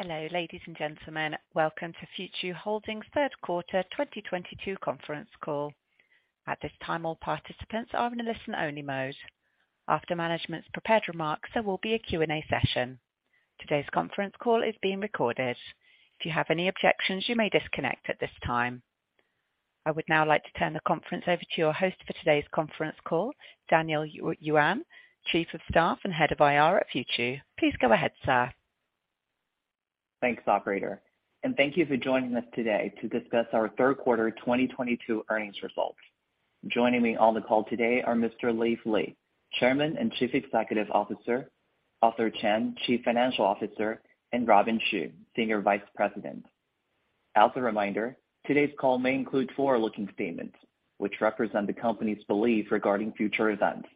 Hello, ladies and gentlemen. Welcome to Futu Holdings third quarter 2022 conference call. At this time, all participants are in a listen-only mode. After management's prepared remarks, there will be a Q&A session. Today's conference call is being recorded. If you have any objections, you may disconnect at this time. I would now like to turn the conference over to your host for today's conference call, Daniel Yuan, Chief of Staff and Head of IR at Futu. Please go ahead, sir. Thanks, operator, and thank you for joining us today to discuss our third quarter 2022 earnings results. Joining me on the call today are Mr. Leaf Li, Chairman and Chief Executive Officer, Arthur Chen, Chief Financial Officer, and Robin Xu, Senior Vice President. As a reminder, today's call may include forward-looking statements which represent the company's belief regarding future events,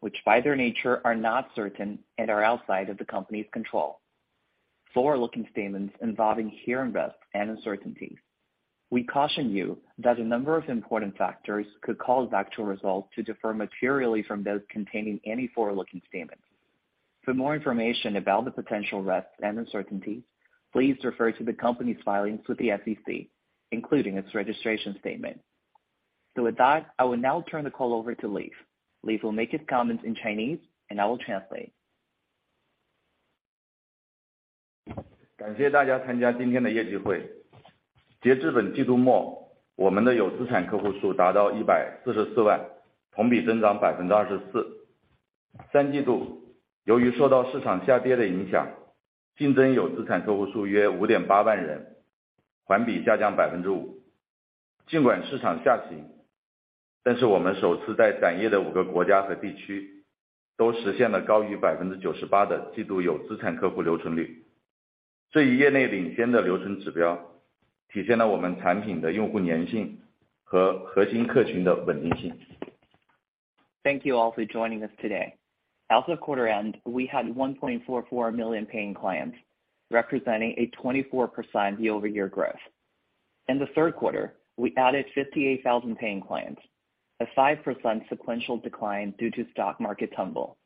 which, by their nature, are not certain and are outside of the company's control. Forward-looking statements involving inherent risks and uncertainties. We caution you that a number of important factors could cause actual results to differ materially from those contained in any forward-looking statements. For more information about the potential risks and uncertainties, please refer to the company's filings with the SEC, including its registration statement. With that, I will now turn the call over to Leaf. Leaf will make his comments in Chinese, and I will translate. Thank you all for joining us today. As of quarter end, we had 1.44 million paying clients, representing a 24% year-over-year growth. In the third quarter, we added 58,000 paying clients, a 5% sequential decline due to stock market tumble.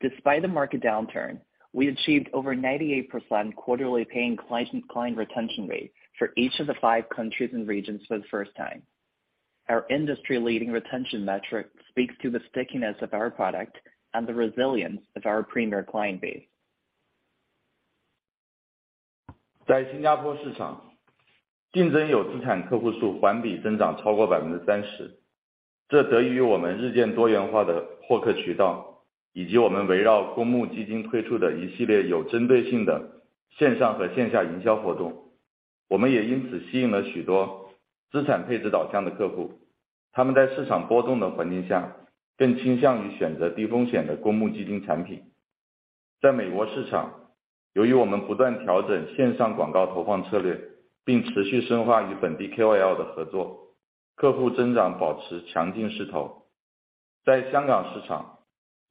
Despite the market downturn, we achieved over 98% quarterly paying client retention rate for each of the five countries and regions for the first time. Our industry-leading retention metric speaks to the stickiness of our product and the resilience of our premier client base. In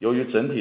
Singapore,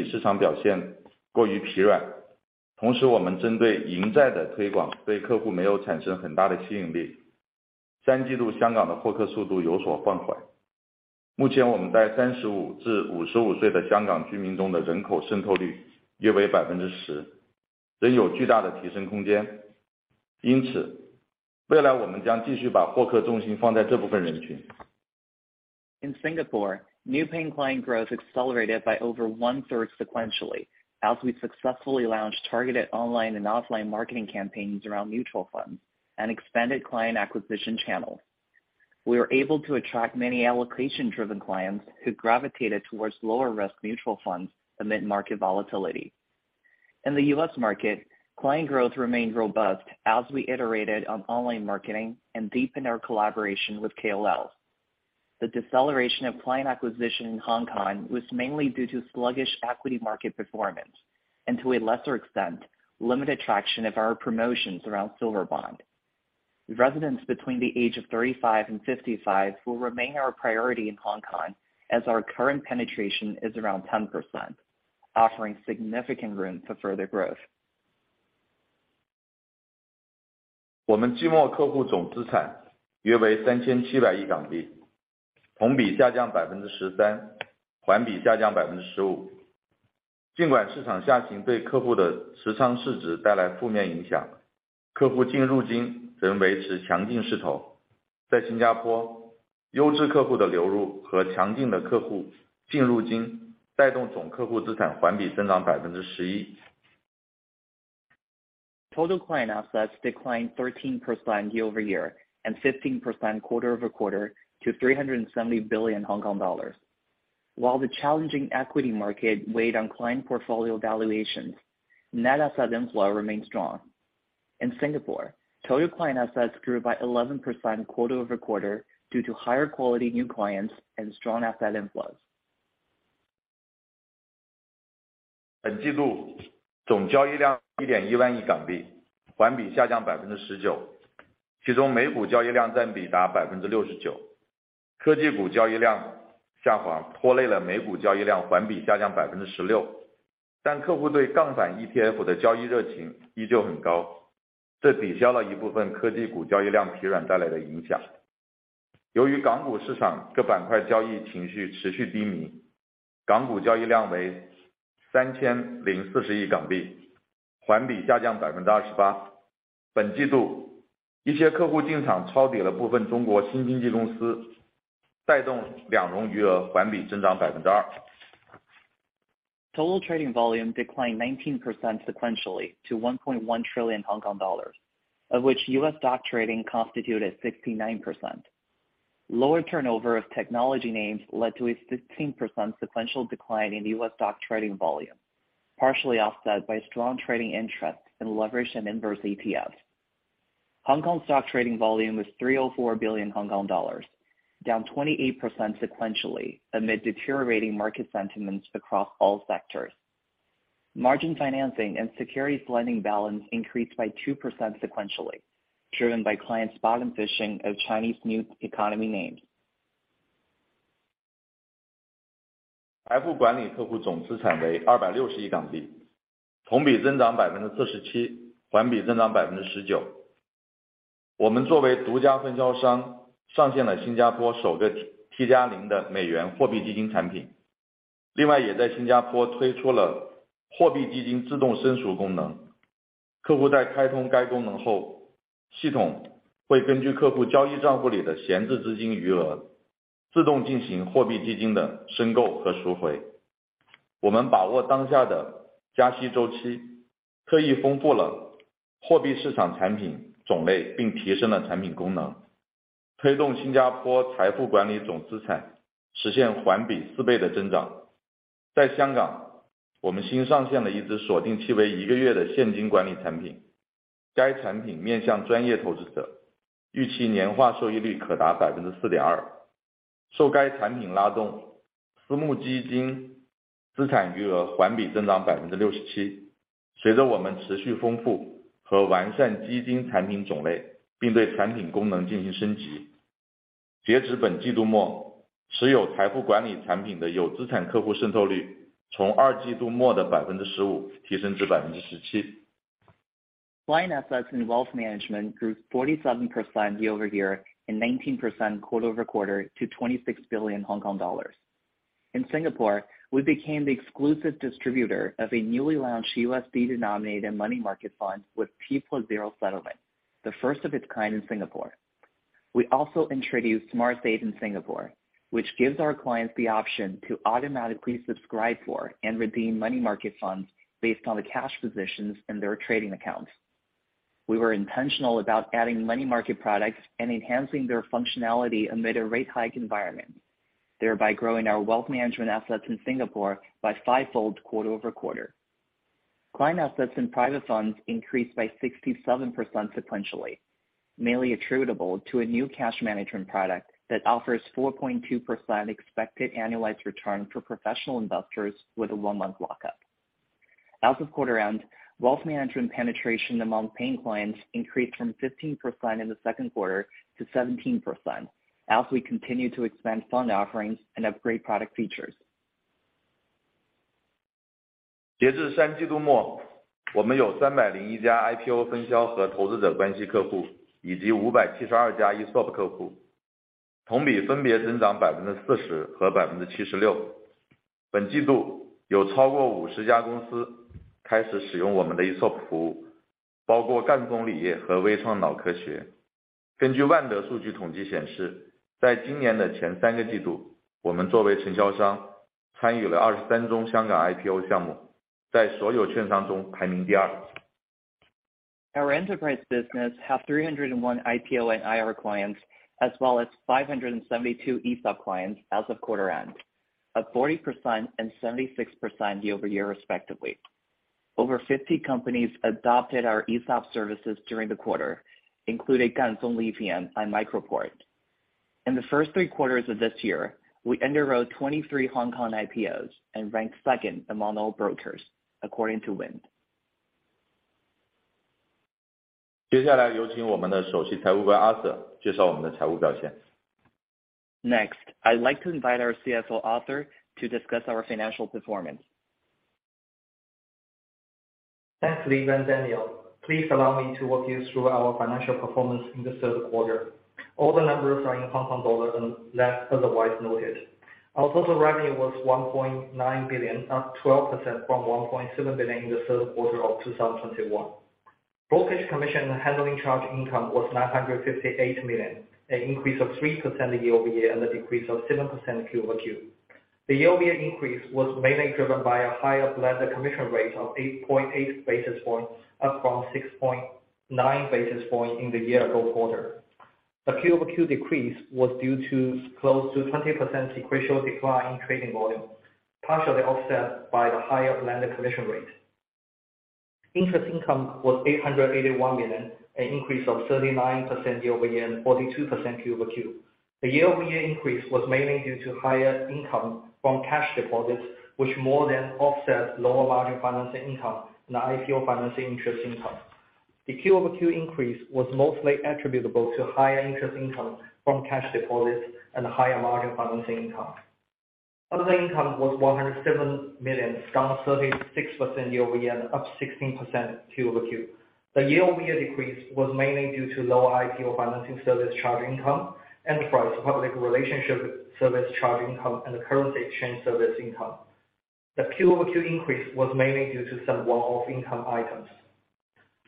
new paying client growth accelerated by over 1/3 sequentially as we successfully launched targeted online and offline marketing campaigns around mutual funds and expanded client acquisition channels. We were able to attract many allocation-driven clients who gravitated towards lower-risk mutual funds amid market volatility. In the U.S. market, client growth remained robust as we iterated on online marketing and deepened our collaboration with KOLs. The deceleration of client acquisition in Hong Kong was mainly due to sluggish equity market performance and, to a lesser extent, limited traction of our promotions around Silver Bond. Residents between the age of 35 and 55 will remain our priority in Hong Kong, as our current penetration is around 10%, offering significant room for further growth. Total client assets declined 13% year-over-year and 15% quarter-over-quarter to 370 billion Hong Kong dollars. While the challenging equity market weighed on client portfolio valuations, net asset inflow remained strong. In Singapore, total client assets grew by 11% quarter-over-quarter due to higher quality new clients and strong asset inflows. 由于港股市场各板块交易情绪持续低 迷， 港股交易量为 HKD 304 billion， 环比下降 28%。本季度一些客户进场抄底了部分中国新经济公司，带动两融余额环比增长 2%。Total trading volume declined 19% sequentially to 1.1 trillion Hong Kong dollars, of which U.S. stock trading constituted 69%. Lower turnover of technology names led to a 15% sequential decline in U.S. stock trading volume, partially offset by strong trading interest in leveraged and inverse ETFs. Hong Kong stock trading volume was 304 billion Hong Kong dollars, down 28% sequentially amid deteriorating market sentiments across all sectors. Margin financing and securities lending balance increased by 2% sequentially, driven by clients bottom fishing of Chinese new economy names. 财富管理客户总资产为二百六十亿港 币， 同比增长百分之四十 七， 环比增长百分之十九。我们作为独家分销 商， 上线了新加坡首个 T 加0的美元货币基金产品。另外也在新加坡推出了货币基金自动申赎功能。客户在开通该功能 后， 系统会根据客户交易账户里的闲置资金余 额， 自动进行货币基金的申购和赎回。我们把握当下的加息周 期， 特意丰富了货币市场产品种 类， 并提升了产品功能，推动新加坡财富管理总资产实现环比四倍的增长。在香 港， 我们新上线了一支锁定期为一个月的现金管理产 品， 该产品面向专业投资 者， 预期年化收益率可达百分之四点二。受该产品拉 动， 私募基金资产余额环比增长百分之六十七。随着我们持续丰富和完善基金产品种 类， 并对产品功能进行升级，截止本季度 末， 持有财富管理产品的有资产客户渗透率从二季度末的百分之十五提升至百分之十七。Client assets and wealth management grew 47% year-over-year and 19% quarter-over-quarter to 26 billion Hong Kong dollars. In Singapore, we became the exclusive distributor of a newly launched USD-denominated money market fund with T+0 settlement, the first of its kind in Singapore. We also introduced SmartSave in Singapore, which gives our clients the option to automatically subscribe for and redeem money market funds based on the cash positions in their trading accounts. We were intentional about adding money market products and enhancing their functionality amid a rate hike environment, thereby growing our wealth management assets in Singapore by fivefold quarter-over-quarter. Client assets and private funds increased by 67% sequentially, mainly attributable to a new cash management product that offers 4.2% expected annualized return for professional investors with a one-month lockup. As of quarter end, wealth management penetration among paying clients increased from 15% in the second quarter to 17%, as we continue to expand fund offerings and upgrade product features. 截至三季度 末， 我们有三百零一家 IPO 分销和投资者关系客 户， 以及五百七十二家 ESOP 客 户， 同比分别增长百分之四十和百分之七十六。本季度有超过五十家公司开始使用我们的 ESOP 服 务， 包括赣锋锂业和微创脑科学。根据万得数据统计显 示， 在今年的前三个季 度， 我们作为承销商参与了二十三宗香港 IPO 项 目， 在所有券商中排名第二。Our enterprise business have 301 IPO and IR clients, as well as 572 ESOP clients as of quarter end, up 40% and 76% year-over-year respectively. Over 50 companies adopted our ESOP services during the quarter, including Ganfeng Lithium and MicroPort. In the first three quarters of this year, we underwrote 23 Hong Kong IPOs and ranked second among all brokers, according to Wind. 接下来有请我们的 Chief Financial Officer Arthur 介绍我们的财务表现。I'd like to invite our CFO, Arthur, to discuss our financial performance. Thanks, Leaf and Daniel. Please allow me to walk you through our financial performance in the third quarter. All the numbers are in Hong Kong dollars unless otherwise noted. Our total revenue was 1.9 billion, up 12% from 1.7 billion in the third quarter of 2021. Brokerage commission and handling charge income was 958 million, an increase of 3% year-over-year and a decrease of 7% Q-over-Q. The year-over-year increase was mainly driven by a higher blended commission rate of 8.8 basis points, up from 6.9 basis points in the year-ago quarter. The Q-over-Q decrease was due to close to 20% sequential decline in trading volume, partially offset by the higher blended commission rate. Interest income was 881 million, an increase of 39% year-over-year, and 42% Q-over-Q. The year-over-year increase was mainly due to higher income from cash deposits, which more than offset lower margin financing income and IPO financing interest income. The Q-over-Q increase was mostly attributable to higher interest income from cash deposits and higher margin financing income. Other income was 107 million, down 36% year-over-year, up 16% Q-over-Q. The year-over-year decrease was mainly due to lower IPO financing service charge income, enterprise public relationship service charge income, and the currency exchange service income. The Q-over-Q increase was mainly due to some one-off income items.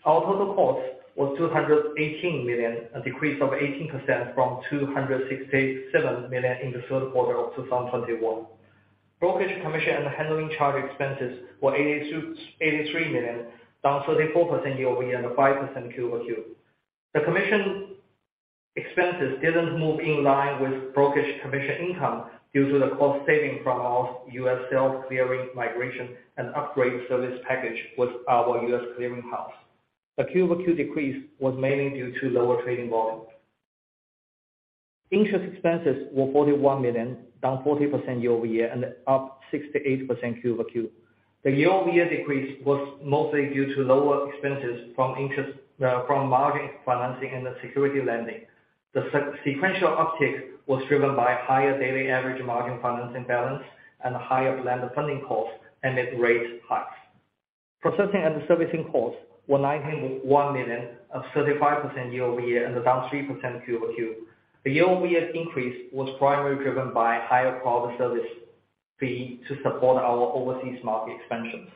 Our total cost was 218 million, a decrease of 18% from 267 million in the third quarter of 2021. Brokerage commission and handling charge expenses were 83 million, down 34% year-over-year and 5% Q-over-Q. The commission expenses didn't move in line with brokerage commission income due to the cost saving from our U.S. sales clearing migration and upgrade service package with our U.S. clearing house. The Q-over-Q decrease was mainly due to lower trading volume. Interest expenses were 41 million, down 40% year-over-year and up 68% Q-over-Q. The year-over-year decrease was mostly due to lower expenses from interest, from margin financing and the security lending. The sequential uptick was driven by higher daily average margin financing balance and higher lender funding costs amid rate hikes. Processing and servicing costs were 91 million, up 35% year-over-year and down 3% Q-over-Q. The year-over-year increase was primarily driven by higher product service fee to support our overseas market expansions.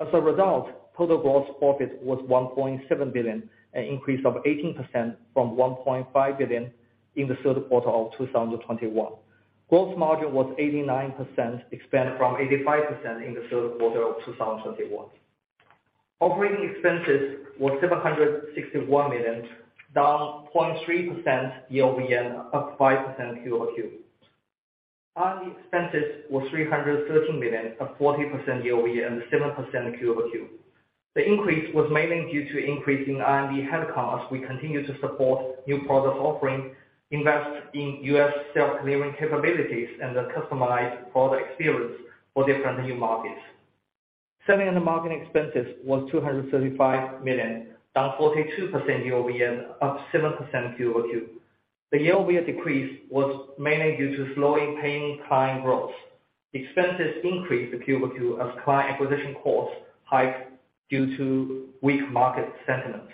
As a result, total gross profit was 1.7 billion, an increase of 18% from 1.5 billion in the third quarter of 2021. Gross margin was 89%, expanded from 85% in the third quarter of 2021. Operating expenses were 761 million, down 0.3% year-over-year, up 5% Q-over-Q. R&D expenses was 313 million, up 40% year-over-year and 7% Q-over-Q. The increase was mainly due to increase in R&D headcounts as we continue to support new product offering, invest in U.S. self-clearing capabilities and a customized product experience for different new markets. Selling and marketing expenses was 235 million, down 42% year-over-year, up 7% Q-over-Q. The year-over-year decrease was mainly due to slowing paying client growth. Expenses increased in Q-over-Q as client acquisition costs hiked due to weak market sentiment.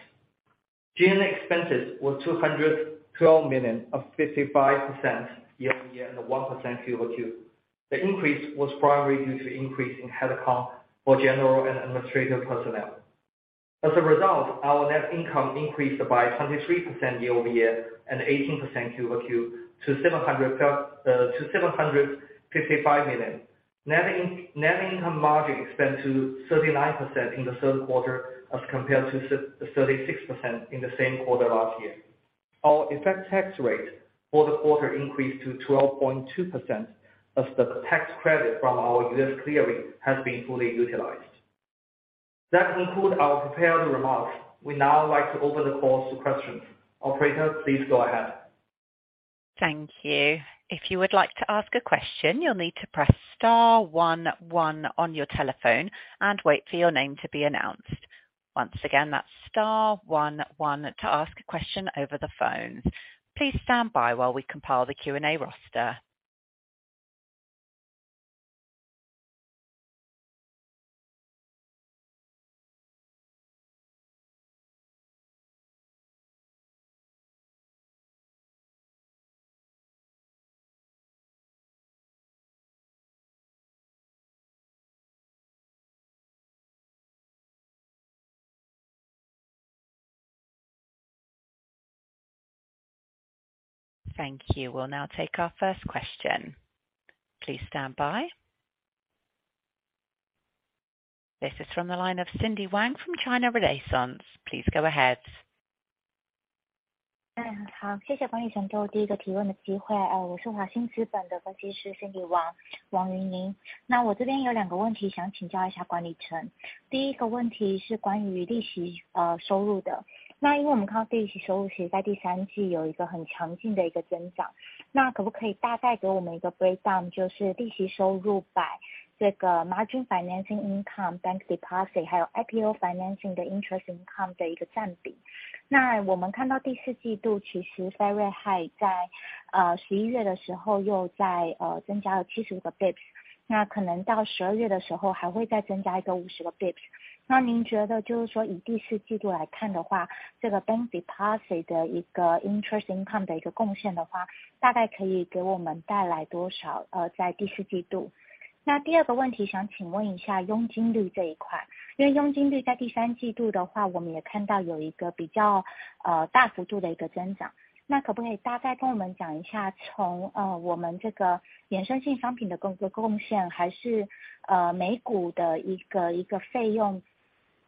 G&A expenses was 212 million, up 55% year-over-year and 1% Q-over-Q. The increase was primarily due to increase in headcount for general and administrative personnel. As a result, our net income increased by 23% year-over-year and 18% Q-over-Q to 755 million. Net income margin expanded to 39% in the third quarter as compared to 36% in the same quarter last year. Our effective tax rate for the quarter increased to 12.2% as the tax credit from our U.S. clearing has been fully utilized. That concludes our prepared remarks. We'd now like to open the calls to questions. Operator, please go ahead. Thank you. If you would like to ask a question, you'll need to press star one one on your telephone and wait for your name to be announced. Once again, that's star one one to ask a question over the phone. Please stand by while we compile the Q&A roster. Thank you. We'll now take our first question. Please stand by. This is from the line of Cindy Wang from China Renaissance. Please go ahead. Hi.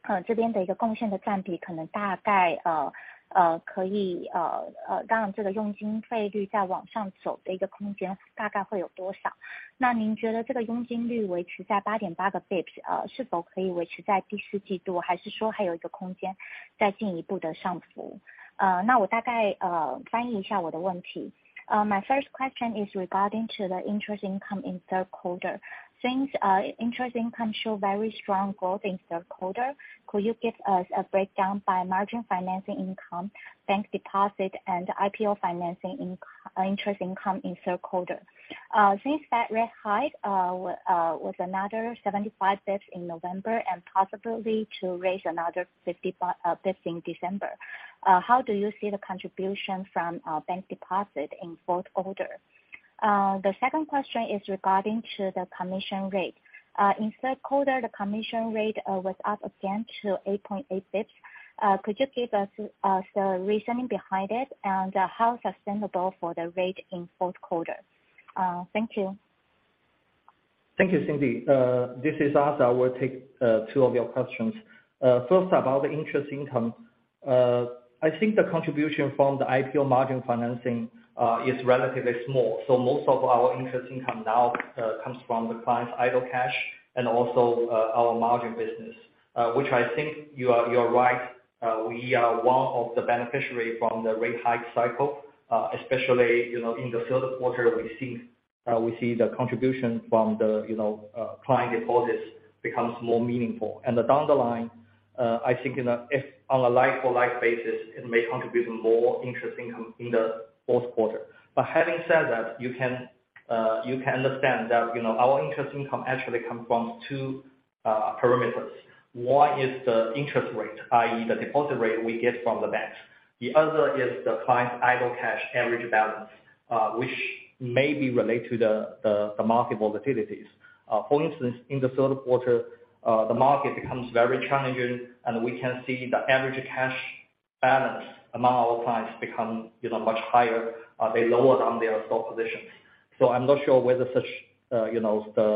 My first question is regarding to the interest income in third quarter. Since interest income show very strong growth in third quarter, could you give us a breakdown by margin financing income, bank deposit, and IPO financing interest income in third quarter? Since Fed rate hike was another 75 basis points in November and possibly to raise another 50 basis points in December, how do you see the contribution from bank deposit in fourth quarter? The second question is regarding to the commission rate. In third quarter, the commission rate was up again to 8.86%. Could you give us the reasoning behind it, and how sustainable for the rate in fourth quarter? Thank you. Thank you, Cindy. This is Arthur. I will take two of your questions. First about the interest income. I think the contribution from the IPO margin financing is relatively small. Most of our interest income now comes from the client's idle cash and also our margin business, which I think you are, you're right, we are one of the beneficiary from the rate hike cycle. Especially, you know, in the third quarter, we see the contribution from the, you know, client deposits becomes more meaningful. The bottom line, I think, you know, if on a like-for-like basis, it may contribute more interest income in the fourth quarter. Having said that, you can understand that, you know, our interest income actually comes from two perimeters. One is the interest rate, i.e. the deposit rate we get from the bank. The other is the client's idle cash average balance, which may be related to the market volatilities. For instance, in the third quarter, the market becomes very challenging, and we can see the average cash balance among our clients become, you know, much higher, they lower down their stock positions. I'm not sure whether such, you know, the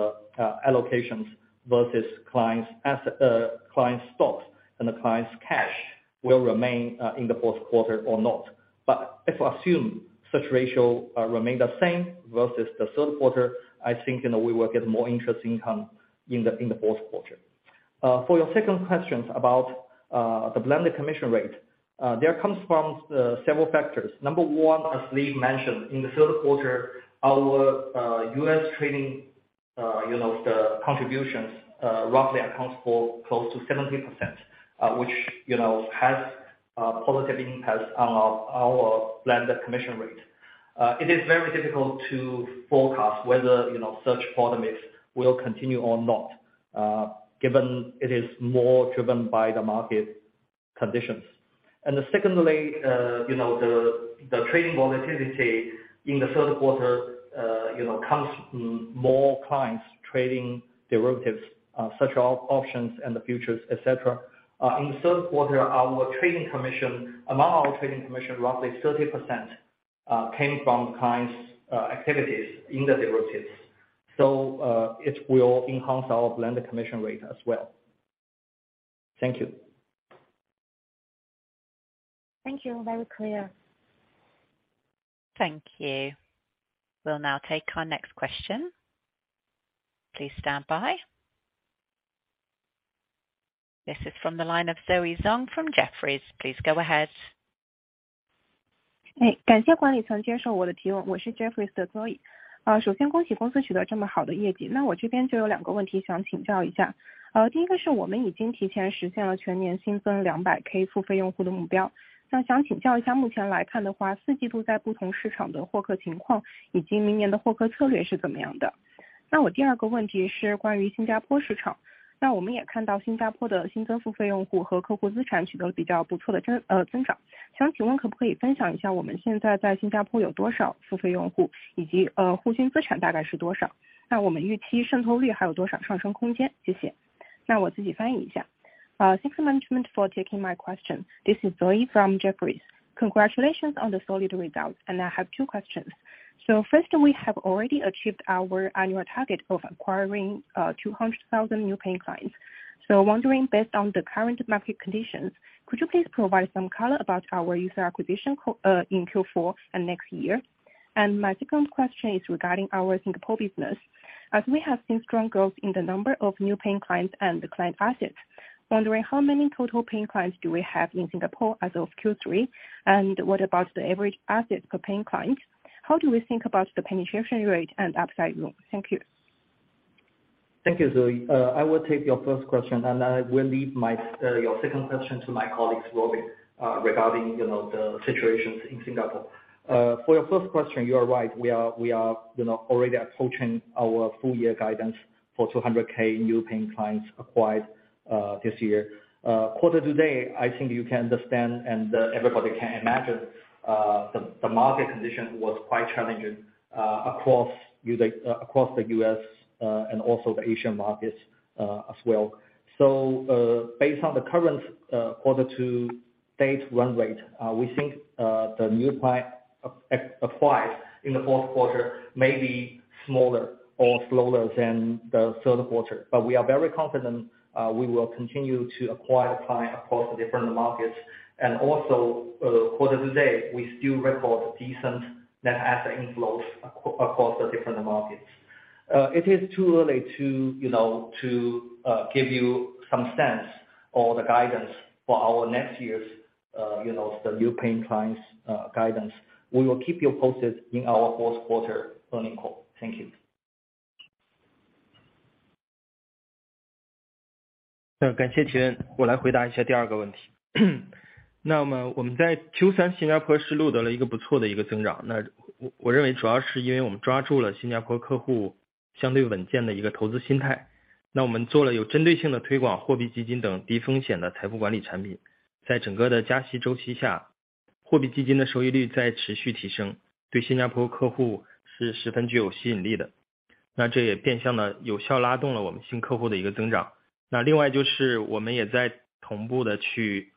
allocations versus clients as client stocks and the client's cash will remain in the fourth quarter or not. If I assume such ratio remain the same versus the third quarter, I think, you know, we will get more interest income in the fourth quarter. For your second question about the blended commission rate, that comes from several factors. Number one, as Leaf mentioned, in the third quarter, our U.S. trading, you know, the contributions, roughly accounts for close to 70%, which, you know, has positive impacts on our blended commission rate. It is very difficult to forecast whether, you know, such dynamics will continue or not, given it is more driven by the market conditions. Secondly, you know, the trading volatility in the third quarter, you know, comes from more clients trading derivatives, such as options and the futures, et cetera. In the third quarter, among our trading commission, roughly 30%, came from clients' activities in the derivatives. It will enhance our blended commission rate as well. Thank you. Thank you. Very clear. Thank you. We'll now take our next question. Please stand by. This is from the line of Zoey Zong from Jefferies. Please go ahead. Thank you, management, for taking my question. This is Zoe from Jefferies. Congratulations on the solid results. I have two questions. First, we have already achieved our annual target of acquiring 200,000 new paying clients. Wondering, based on the current market conditions, could you please provide some color about our user acquisition in Q4 and next year? My second question is regarding our Singapore business, as we have seen strong growth in the number of new paying clients and the client assets. Wondering how many total paying clients do we have in Singapore as of Q3? What about the average assets per paying client? How do we think about the penetration rate and upside room? Thank you. Thank you, Zoe. I will take your first question, and I will leave my your second question to my colleagues, Robin, regarding, you know, the situations in Singapore. For your first question, you are right, we are, you know, already approaching our full year guidance for 200,000 new paying clients acquired this year. Quarter to date, I think you can understand and everybody can imagine, the market condition was quite challenging across the U.S. and also the Asian markets as well. Based on the current quarter to date run rate, we think the new client acquired in the fourth quarter may be smaller or slower than the third quarter. We are very confident we will continue to acquire clients across the different markets. Also, quarter to date, we still report decent net asset inflows across the different markets. It is too early to, you know, to give you some stance or the guidance for our next year's, you know, the new paying clients guidance. We will keep you posted in our fourth quarter earnings call. Thank you. 相对稳健的一个投资心态。那我们做了有针对性的推广货币基金等低风险的财富管理产品。在整个的加息周期 下， 货币基金的收益率在持续提 升， 对新加坡客户是十分具有吸引力 的， 那这也变相地有效拉动了我们新客户的一个增长。那另外就是我们也在同步地去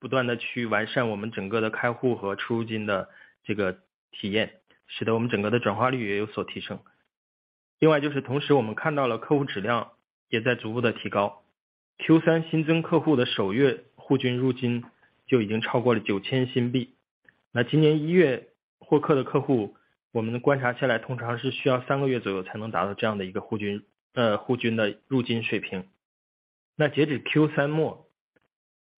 不断地去完善我们整个的开户和出入金的这个体 验， 使得我们整个的转化率也有所提升。另外就是同时我们看到了客户质量也在逐步地提高。Q 三新增客户的首月户均入金就已经超过了九千新币。那今年一月获客的客 户， 我们观察下 来， 通常是需要三个月左右才能达到这样的一个户 均， 呃， 户均的入金水平。那截止 Q 三 末，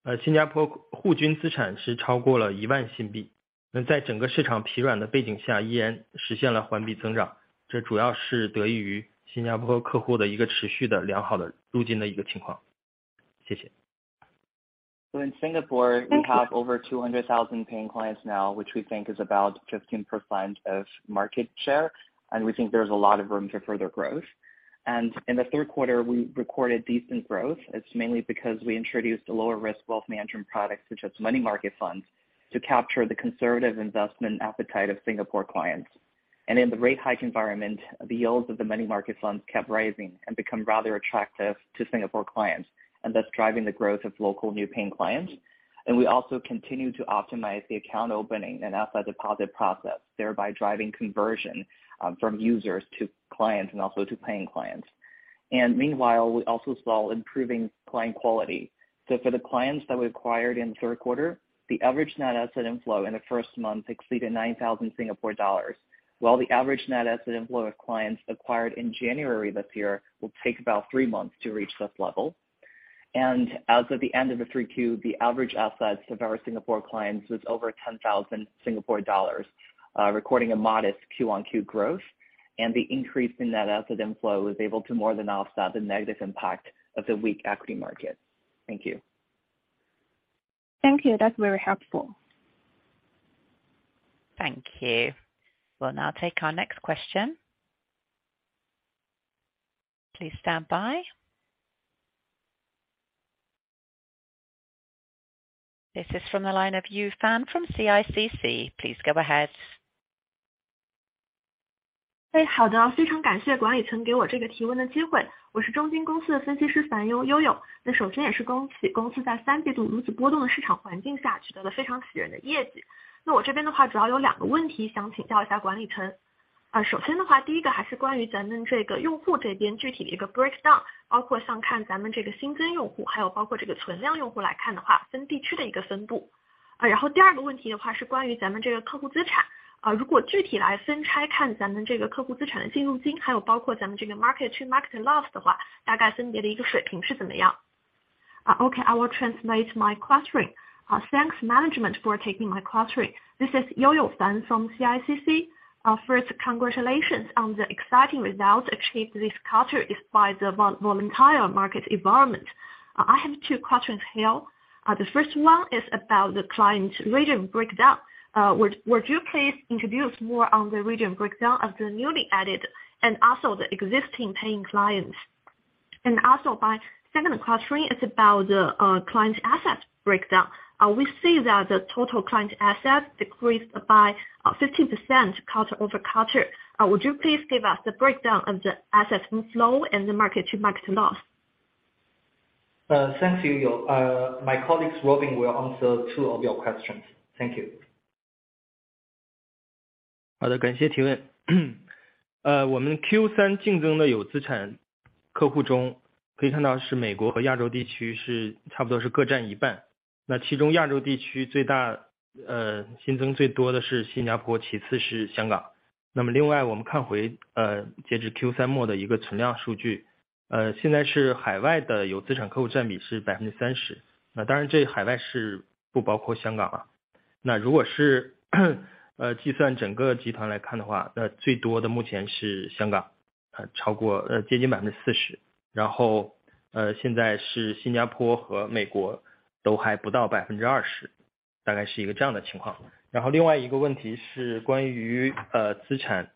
呃， 新加坡户均资产是超过了一万新 币， 那在整个市场疲软的背景下依然实现了环比增 长， 这主要是得益于新加坡客户的一个持续的良好的入金的一个情况。谢谢。In Singapore we have over 200,000 paying clients now, which we think is about 15% of market share, and we think there's a lot of room for further growth. In the third quarter, we recorded decent growth. It's mainly because we introduced a lower risk wealth management product, such as money market funds, to capture the conservative investment appetite of Singapore clients. In the rate hike environment, the yields of the money market funds kept rising and become rather attractive to Singapore clients and thus driving the growth of local new paying clients. We also continue to optimize the account opening and asset deposit process, thereby driving conversion from users to clients and also to paying clients. Meanwhile, we also saw improving client quality. For the clients that we acquired in the third quarter, the average net asset inflow in the first month exceeded 9,000 Singapore dollars, while the average net asset inflow of clients acquired in January this year will take about three months to reach this level. As of the end of the 3Q, the average assets of our Singapore clients was over 10,000 Singapore dollars, recording a modest Q-on-Q growth. The increase in net asset inflow was able to more than offset the negative impact of the weak equity market. Thank you. Thank you. That's very helpful. Thank you. We'll now take our next question. Please stand by. This is from the line of You Fan from CICC. Please go ahead. 哎， 好 的， 非常感谢管理层给我这个提问的机会。我是中金公司的分析师樊悠-悠悠。那首先也是恭喜公司在三季度如此波动的市场环境下取得了非常喜人的业绩。那我这边的话主要有两个问题想请教一下管理层。啊首先的 话， 第一个还是关于咱们这个用户这边具体的一个 breakdown， 包括像看咱们这个新增用 户， 还有包括这个存量用户来看的 话， 分地区的一个分布。啊然后第二个问题的话是关于咱们这个客户资产，啊如果具体来分拆看咱们这个客户资产的信用 金， 还有包括咱们这个 market to market loss 的 话， 大概分别的一个水平是怎么 样？ Uh, okay, I will translate my question. Thanks management for taking my question. This is Youyou Fan from CICC. First, congratulations on the exciting results achieved this quarter despite the volatile market environment. I have two questions here. The first one is about the client region breakdown. Would you please introduce more on the region breakdown of the newly added and also the existing paying clients? My second question is about the client asset breakdown. We see that the total client asset decreased by 15% quarter-over-quarter. Would you please give us the breakdown of the asset flow and the market-to-market loss? Thank you, Youyou. My colleagues Robin will answer two of your questions. Thank you. 好 的， 感谢提问。呃， 我们 Q 三净增的有资产客户中可以看到是美国和亚洲地区是差不多是各占一 半， 那其中亚洲地区最 大， 呃， 新增最多的是新加 坡， 其次是香港。那么另外我们看 回， 呃， 截止 Q 三末的一个存量数 据， 呃， 现在是海外的有资产客户占比是百分之三 十， 那当然这海外是不包括香港啊。那如果是呃，计算整个集团来看的 话， 那最多的目前是香 港， 呃， 超过--接近百分之四 十， 然 后， 呃， 现在是新加坡和美国都还不到百分之二 十， 大概是一个这样的情况。然后另外一个问题是关 于， 呃， 资 产，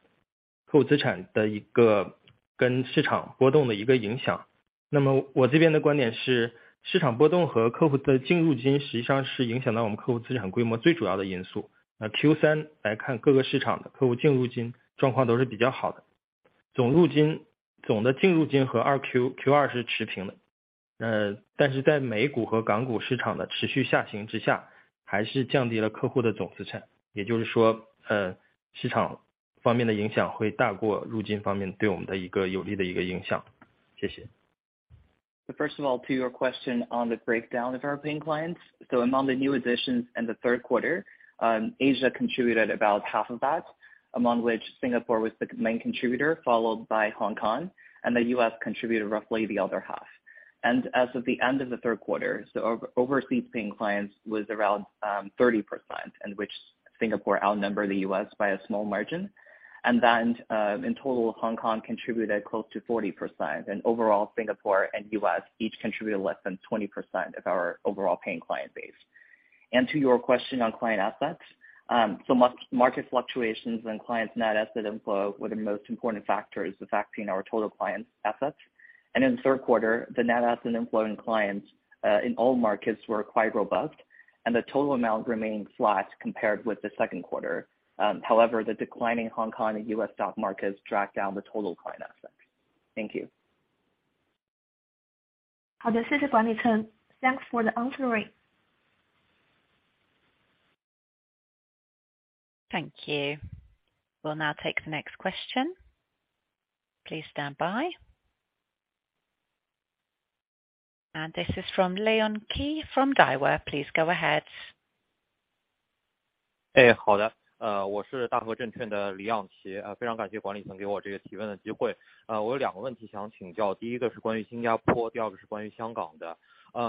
客户资产的一个跟市场波动的一个影响。那么我这边的观点 是， 市场波动和客户的净入金实际上是影响到我们客户资产规模最主要的因素。那 Q 三来 看， 各个市场的客户净入金状况都是比较好 的， 总入金--总的净入金和 2Q-Q 二是持平 的， 呃， 但是在美股和港股市场的持续下行之 下， 还是降低了客户的总资 产， 也就是 说， 呃， 市场方面的影响会大过入金方面对我们的一个有利的一个影响。谢谢。First of all to your question on the breakdown of our paying clients. Among the new additions in the third quarter, Asia contributed about half of that, among which Singapore was the main contributor, followed by Hong Kong, and the U.S. contributed roughly the other half. As of the end of the third quarter, the overseas paying clients was around 30%, and which Singapore outnumber the U.S. by a small margin. In total, Hong Kong contributed close to 40%. Overall, Singapore and U.S. each contributed less than 20% of our overall paying client base. To your question on client assets. So market fluctuations and clients net asset inflow were the most important factors affecting our total clients assets. In the third quarter, the net asset inflow in clients in all markets were quite robust, and the total amount remained flat compared with the second quarter. However, the declining Hong Kong and U.S. stock markets dragged down the total client assets. Thank you. 好 的， 谢谢管理层。Thanks for the answering. Thank you. We'll now take the next question. Please stand by. This is from Leon Qi from Daiwa. Please go ahead. 好 的, 我是 Daiwa Securities 的 黎漾棋, 非常感谢管理层给我这个提问的机 会. 我有2个问题想请 教, 第1个是关于 Singapore, 第2个是关于 Hong Kong 的.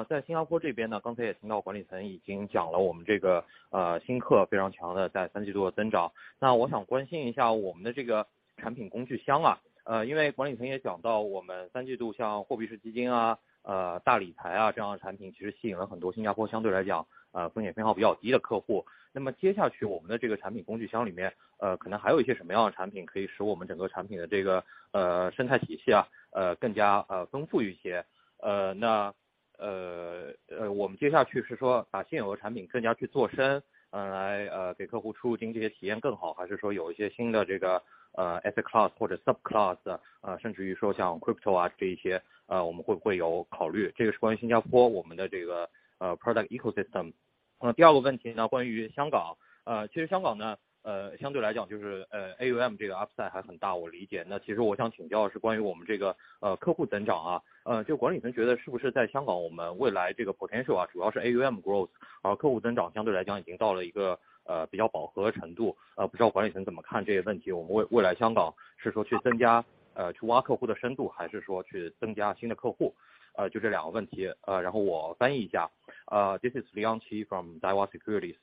在 Singapore 这边 呢, 刚才也听到管理层已经讲 了, 我们这个新客非常强的在 Q3 的增 长. 我想关心一下我们的这个产品工具 箱, 因为管理层也讲到我们 Q3 像 money market fund, 大理财这样的产品其实吸引了很多 Singapore 相对来讲风险偏好比较低的客 户. 接下去我们的这个产品工具箱里 面, 可能还有一些什么样的产品可以使我们整个产品的这个生态体系更加丰富一 些. 我们接下去是说把现有的产品更加去做 深, 来给客户出入金这些体验更 好, 还是说有一些新的这个 asset class 或者 subclass, 甚至于说像 crypto 这一 些, 我们会有考 虑. 这个是关于 Singapore 我们的这个 product ecosystem. 第2个问题 呢, 关于 Hong Kong. 其实 Hong Kong 呢, 相对来讲就是 AUM 这个 upside 还很 大, 我理 解. 其实我想请教的是关于我们这个客户增 长, 就管理层觉得是不是在 Hong Kong, 我们未来这个 potential, 主要是 AUM growth, 而客户增长相对来讲已经到了一个比较饱和的程 度. 不知道管理层怎么看这些问 题, 我们未来 Hong Kong 是说去增 加, 去挖客户的深 度, 还是说去增加新的客 户. 就这2个问 题. 我翻译一 下. Uh, this is Leon Qi from Daiwa Securities.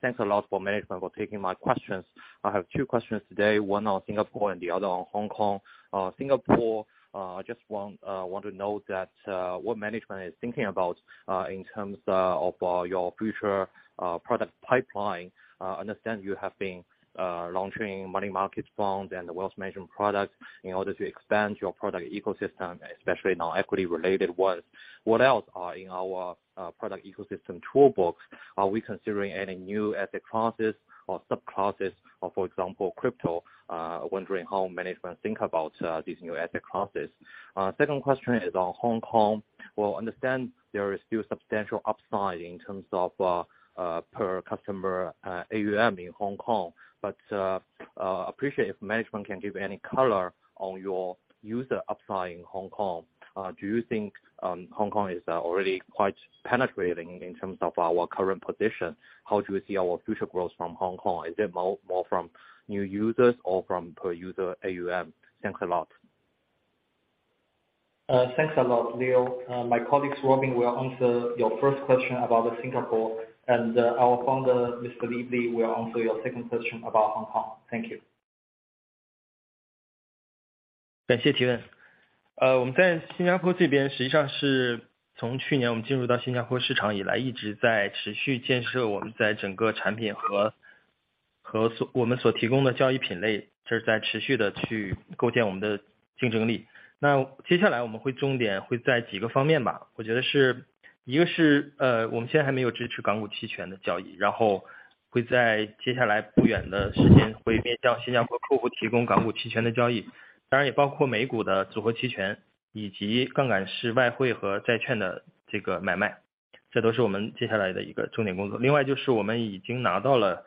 Thanks a lot for management for taking my questions. I have two questions today, one on Singapore and the other on Hong Kong. Singapore, I just want to know that what management is thinking about in terms of your future product pipeline. Understand you have been launching money market funds and the wealth management products in order to expand your product ecosystem, especially now equity related ones. What else are in our product ecosystem toolbox? Are we considering any new asset classes or subclasses or for example, crypto? Wondering how management think about these new asset classes. Second question is on Hong Kong. Understand there is still substantial upside in terms of per customer AUM in Hong Kong. Appreciate if management can give any color on your user upside in Hong Kong. Do you think Hong Kong is already quite penetrating in terms of our current position? How do you see our future growth from Hong Kong? Is it more from new users or from per user AUM? Thanks a lot. Thanks a lot, Leon. My colleague Robin will answer your first question about Singapore. Our founder Mr. Leaf Li will answer your second question about Hong Kong. Thank you. 感谢提问。我们在新加坡这边实际上是从去年我们进入到新加坡市场以 来， 一直在持续建设我们在整个产品和我们所提供的交易品 类， 这是在持续地去构建我们的竞争力。接下来我们会重点会在几个方面 吧， 我觉得是，一个 是， 我们现在还没有支持港股期权的交 易， 然后会在接下来不远的时间会面向新加坡客户提供港股期权的交 易， 当然也包括美股的组合期权以及杠杆式外汇和债券的这个买 卖， 这都是我们接下来的一个重点工作。另外我们已经拿到了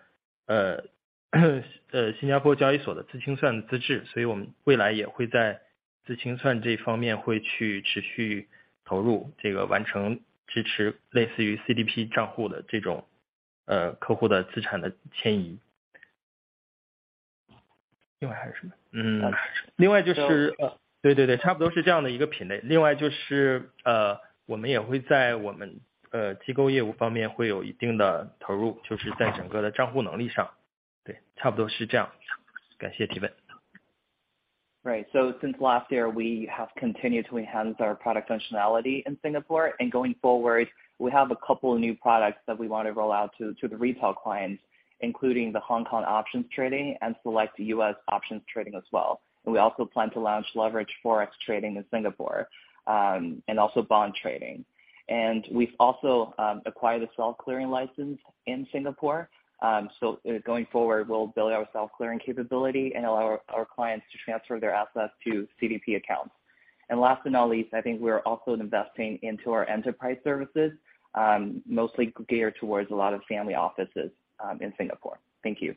Singapore Exchange 的资金算资 智， 所以我们未来也会在资金算这方面会去持续投入，这个完成支持类似于 CDP 账户的这种客户的资产的迁移。另外还有什 么？ 另外-呃。对对 对， 差不多是这样的一个品类。另外就 是， 呃， 我们也会在我 们， 呃， 机构业务方面会有一定的投 入， 就是在整个的账户能力上。对， 差不多是这样。感谢提问。Right. Since last year, we have continued to enhance our product functionality in Singapore. Going forward, we have a couple of new products that we want to roll out to the retail clients, including the Hong Kong options trading and select U.S. options trading as well. We also plan to launch leverage forex trading in Singapore, and also bond trading. We've also acquire the self-clearing license in Singapore. Going forward, we'll build our self-clearing capability and allow our clients to transfer their assets to CDP accounts. Last but not least, I think we are also investing into our enterprise services, mostly geared towards a lot of family offices in Singapore. Thank you.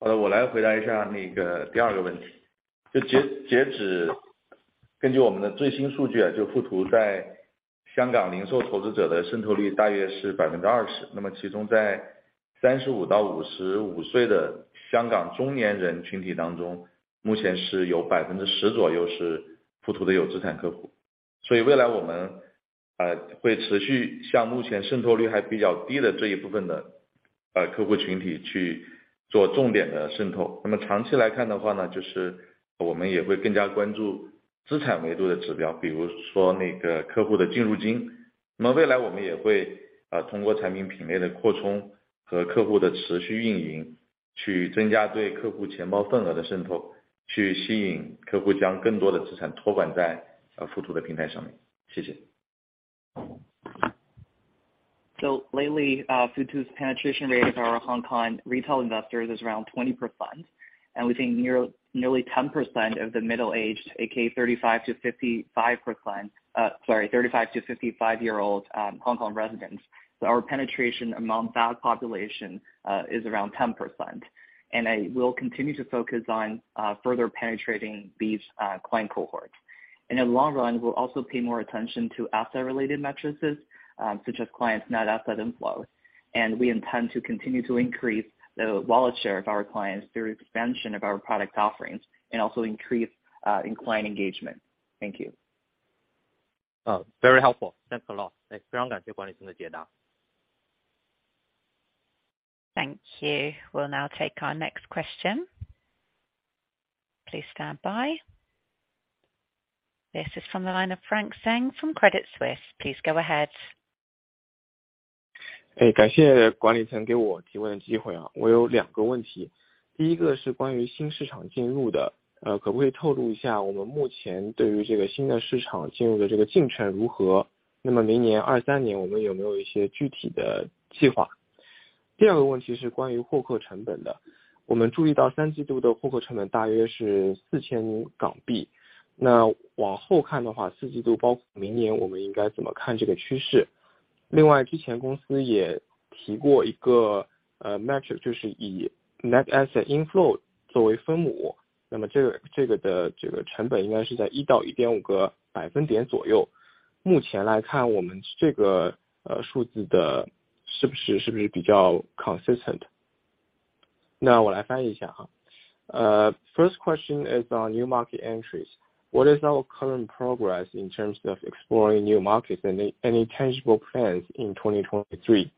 好 的， 我来回答一下那个第二个问题。就截-截止根据我们的最新数据 啊， 就富途在香港零售投资者的渗透率大约是百分之二 十， 那么其中在三十五到五十五岁的香港中年人群体当 中， 目前是有百分之十左右是富途的有资产客户。所以未来我 们， 呃， 会持续向目前渗透率还比较低的这一部分的把客户群体去做重点的渗透。那么长期来看的话 呢， 就是我们也会更加关注资产维度的指 标， 比如说那个客户的进入金。那么未来我们也 会， 呃， 通过产品品类的扩充和客户的持续运 营， 去增加对客户钱包份额的渗 透， 去吸引客户将更多的资产托管 在， 呃， 富途的平台上面。谢谢。Lately, Futu's penetration rate of our Hong Kong retail investors is around 20%. We think nearly 10% of the middle aged 35-55-year-old Hong Kong residents. Our penetration among that population is around 10%. I will continue to focus on further penetrating these client cohorts. In the long run, we will also pay more attention to asset related matrices, such as clients net asset inflows. We intend to continue to increase the wallet share of our clients through expansion of our product offerings and also increase in client engagement. Thank you. Oh, very helpful. Thanks a lot. 非常感谢管理层的解 答. Thank you. We'll now take our next question. Please stand by. This is from the line of Frank Zheng from Credit Suisse. Please go ahead. 感谢管理层给我提问的机会。我有 two 个问题。第一个是关于新市场进入的，可不可以透露一下我们目前对于这个新的市场进入的这个进程如何？明年 2023 年我们有没有一些具体的计划？第二个问题是关于获客成本的。我们注意到 Q3 的获客成本大约是 HKD 4,000。往后看的话，Q4 包括明年，我们应该怎么看这个趋势？另外，之前公司也提过一个 metric，就是以 net asset inflow 作为分母，这个的这个成本应该是在 1到 1.5 percentage points 左右。目前来看，我们这个数字是不是比较 consistent？我来翻译一下。First question is on new market entries, what is our current progress in terms of exploring new markets and any tangible plans in 2023?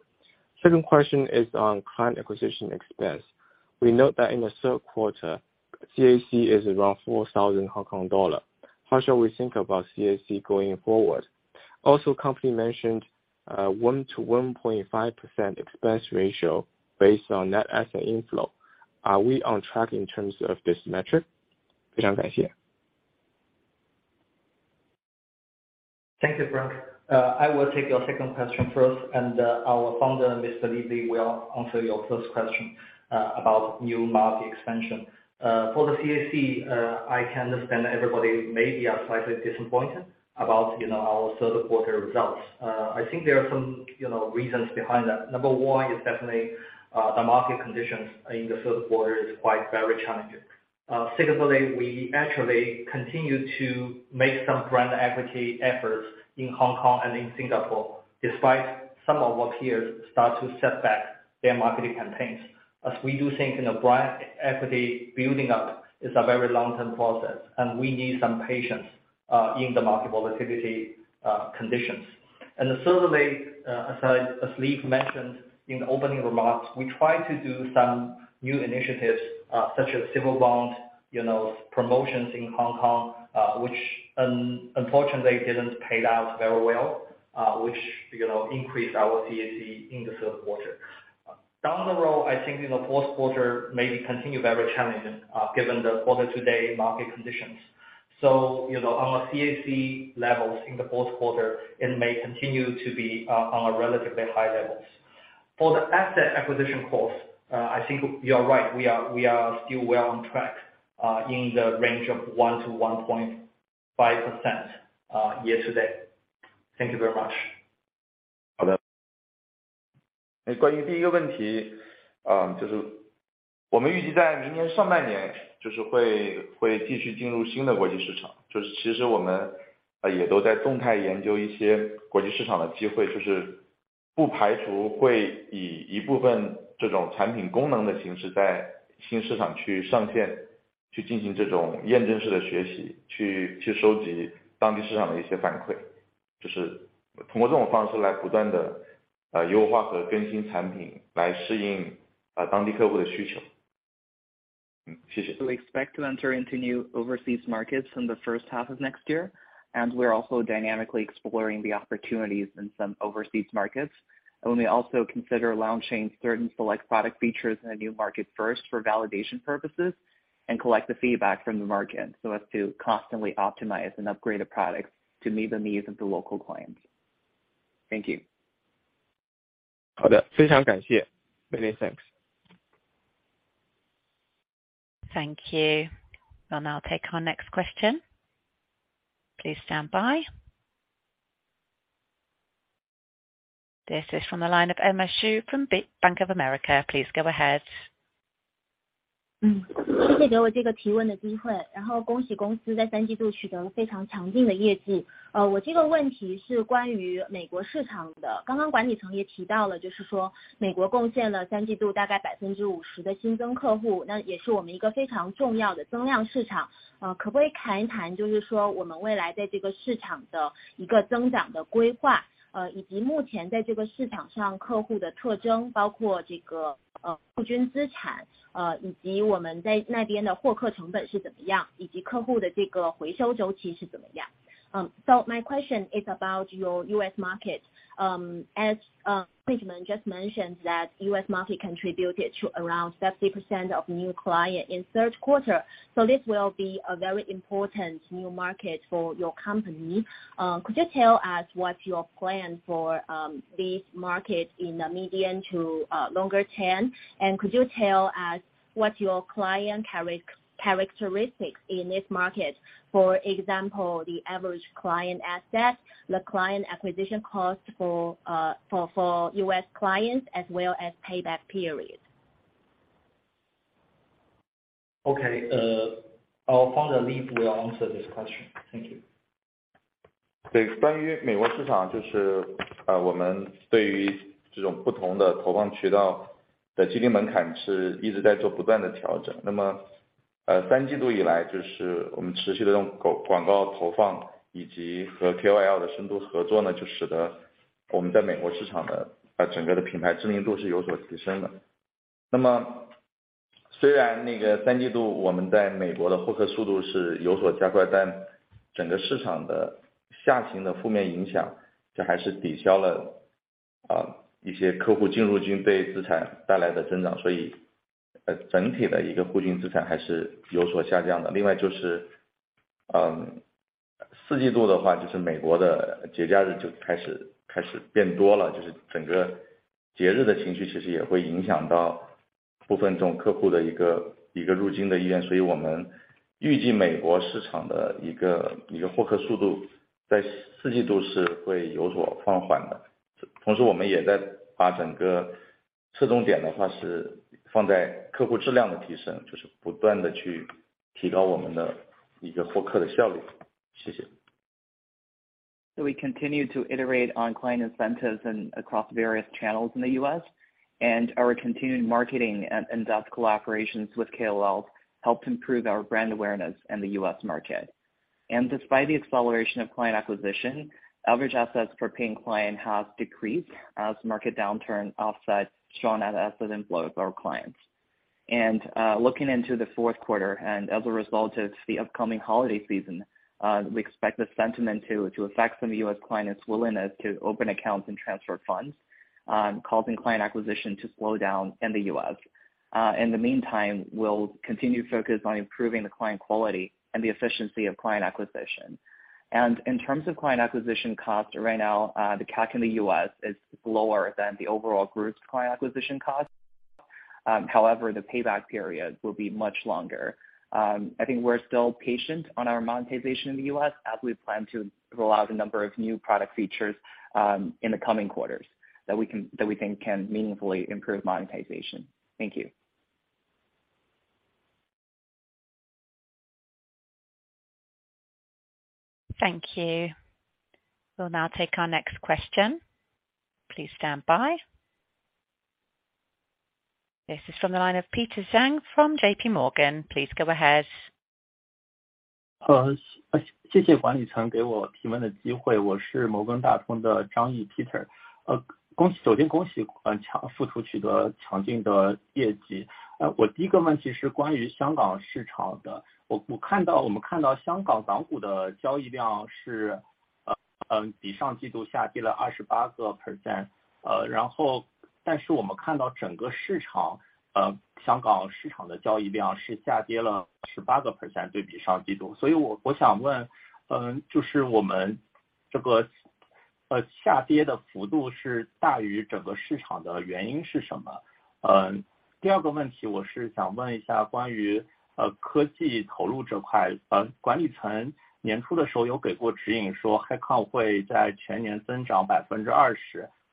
Second question is on client acquisition expense. We note that in the third quarter CAC is around 4,000 Hong Kong dollar. How shall we think about CAC going forward? Company mentioned 1%-1.5% expense ratio based on net asset inflow. Are we on track in terms of this metric? 非常感 谢. Thank you, Frank. I will take your second question first, our founder, Mr. Leaf Li, will answer your first question about new market expansion. For the CAC, I can understand everybody maybe are slightly disappointed about, you know, our third quarter results. I think there are some, you know, reasons behind that. Number one is definitely the market conditions in the third quarter is quite very challenging. Secondly, we actually continue to make some brand equity efforts in Hong Kong and in Singapore, despite some of our peers start to set back their marketing campaigns. We do think, you know, brand equity building up is a very long-term process, we need some patience in the market volatility conditions. The third way, as Leaf mentioned in opening remarks, we try to do some new initiatives, such as Silver Bond, you know, promotions in Hong Kong, which unfortunately didn't pay out very well, which, you know, increased our CAC in the third quarter. Down the road, I think, you know, fourth quarter maybe continue very challenging, given the quarter-to-date market conditions. You know, on our CAC levels in the fourth quarter, it may continue to be, on a relatively high levels. For the asset acquisition costs, I think you are right, we are, we are still well on track, in the range of 1%-1.5% year-to-date. Thank you very much. 好的。关于第一个问 题， 呃， 就是我们预计在明年上半年就是 会， 会继续进入新的国际市 场， 就是其实我 们， 呃， 也都在动态研究一些国际市场的机 会， 就是不排除会以一部分这种产品功能的形式在新市场去上 线， 去进行这种验证式的学 习， 去， 去收集当地市场的一些反 馈， 就是通过这种方式来不断 地， 呃， 优化和更新产 品， 来适 应， 呃， 当地客户的需求。嗯， 谢谢。We expect to enter into new overseas markets from the first half of next year. We are also dynamically exploring the opportunities in some overseas markets. We may also consider launching certain select product features in a new market first for validation purposes and collect the feedback from the market so as to constantly optimize and upgrade the products to meet the needs of the local clients. Thank you. 好 的， 非常感谢。Many thanks. Thank you. We'll now take our next question. Please stand by. This is from the line of Emma Xu from Bank of America. Please go ahead. 嗯， 谢谢给我这个提问的机 会， 然后恭喜公司在三季度取得了非常强劲的业绩。呃， 我这个问题是关于美国市场的。刚刚管理层也提到 了， 就是说美国贡献了三季度大概百分之五十的新增客 户， 那也是我们一个非常重要的增量市 场， 呃， 可不可以谈一 谈， 就是说我们未来在这个市场的一个增长的规划， 呃， 以及目前在这个市场上客户的特 征， 包括这 个， 呃， 户均资 产， 呃， 以及我们在那边的获客成本是怎么 样， 以及客户的这个回收周期是怎么 样？ My question is about your U.S. market. As management just mentioned that U.S. market contributed to around 30% of new client in third quarter. This will be a very important new market for your company. Could you tell us what your plan for this market in the medium to longer term? Could you tell us what your client characteristics in this market, for example, the average client asset, the client acquisition cost for U.S. clients as well as payback period? Okay. Our founder, Leaf will answer this question. Thank you. We continue to iterate on client incentives and across various channels in the U.S. and our continued marketing and our co-operations with KOL helped improve our brand awareness in the U.S. market. And despite the acceleration of client acquisition, average assets per paying client has decreased as market downturn offset strong net asset inflows of our clients. And looking into the fourth quarter and as result of the upcoming holiday season, we expect the sentiment to affect some U.S. clients’ willingness to open accounts and transfer funds, causing client acquisition to slow down in the U.S. In the meantime, we will continue to focus on improving the client quality and the efficiency of client acquisition. And in terms of client acquisition costs, right now, the CAC in the U.S. is lower than the overall group’s client acquisition cost. However, the payback period will be much longer. I think we are still patient on our monetization in the U.S. as we plan to rollout a number of new product features in the coming quarters that we think can meaningfully improve monetization. Thank you. Thank you. We’ll now take our next question. Please stand by. This is from the line of Peter Zhang from JPMorgan. Please go ahead.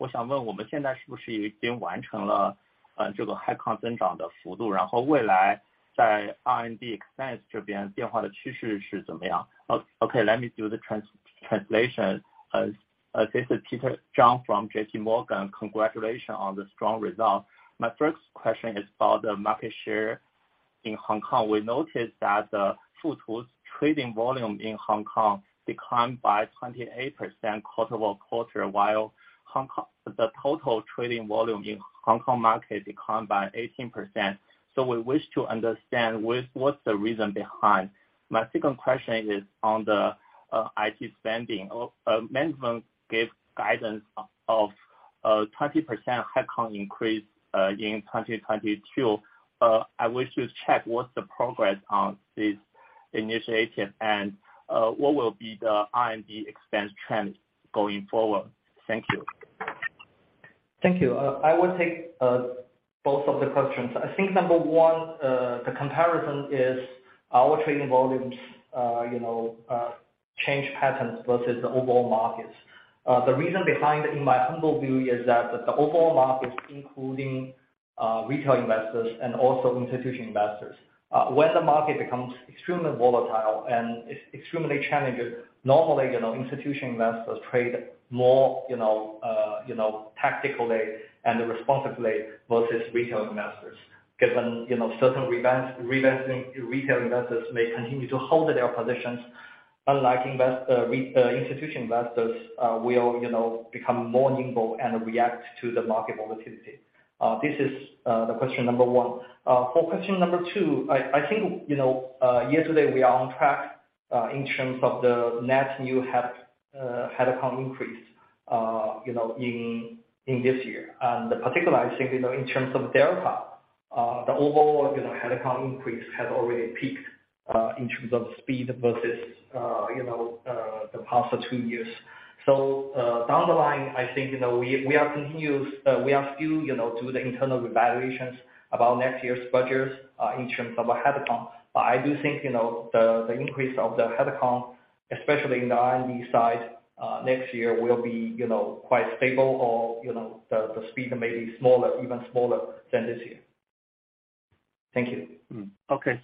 Okay. Let me do the translation. This is Peter Zhang from JPMorgan. Congratulations on the strong results. My first question is about the market share in Hong Kong. We noticed that the Futu’s trading volume in Hong Kong declined by 28% quarter-over-quarter while Hong Kong, the total trading volume in Hong Kong market declined by 18%. So, we wish to understand what’s the reason behind. My second question is on the IT spending. Management gave guidance of 20% headcount increase in 2022. I wish to check what’s the progress on this initiative and what will be the R&D expense trend going forward? Thank you. I will take both of the questions. I think number one, the comparison is our trading volumes, you know, change patterns versus the overall markets. The reason behind, in my humble view, is that the overall markets, including retail investors and also institutional investors, when the market becomes extremely volatile and extremely challenging, normally, you know, institutional investors trade more, you know, tactically and responsively versus retail investors. Given, you know, certain rebalancing, retail investors may continue to hold their positions, unlike institutional investors, will, you know, become more nimble and react to the market volatility. This is the question number one. For question number two, I think, you know, year-to-date, we are on track in terms of the net new head count increase, you know, in this year. Particularly, I think, you know, in terms of delta, the overall, you know, head count increase has already peaked in terms of speed versus, you know, the past two years. Down the line, I think, you know, we are still, you know, do the internal evaluations about next year's budgets in terms of our head count. I do think, you know, the increase of the head count, especially in the R&D side, next year will be, you know, quite stable or, you know, the speed may be smaller, even smaller than this year. Thank you. Okay.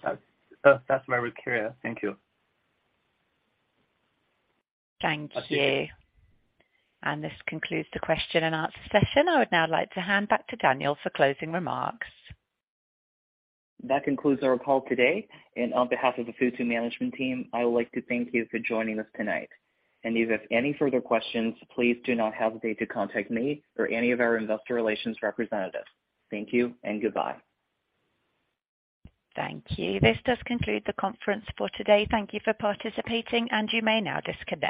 That's very clear. Thank you. Thank you. This concludes the question and answer session. I would now like to hand back to Daniel for closing remarks. That concludes our call today. On behalf of the Futu management team, I would like to thank you for joining us tonight. If you have any further questions, please do not hesitate to contact me or any of our investor relations representatives. Thank you and goodbye. Thank you. This does conclude the conference for today. Thank you for participating, and you may now disconnect.